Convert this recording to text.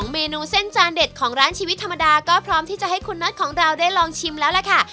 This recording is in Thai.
เมนูเส้นจานเด็ดของร้านชีวิตธรรมดาก็พร้อมที่จะให้คุณน็อตของเราได้ลองชิมแล้วล่ะค่ะ